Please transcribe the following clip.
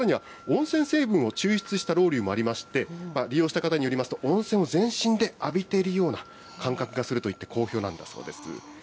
さらには温泉成分を抽出したロウリュもありまして、利用した方によりますと、温泉を全身で浴びているような感覚がするといって好評なんだそうです。